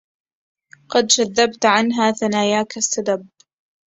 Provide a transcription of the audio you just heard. قد شَذَّبت عنها ثناياك السَّذَب